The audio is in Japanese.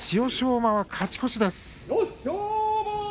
馬、勝ち越しです。